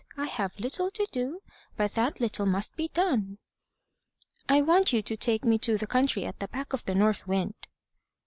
I have little to do, but that little must be done." "I want you to take me to the country at the back of the north wind."